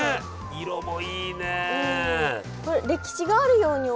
色もいいね。